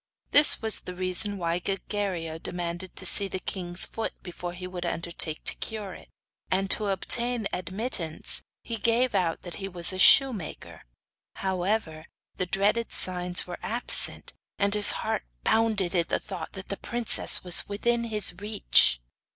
This was the reason why Gilguerillo demanded to see the king's foot before he would undertake to cure it; and to obtain admittance he gave out that he was a shoemaker. However, the dreaded signs were absent, and his heart bounded at the thought that the princess was within his reach.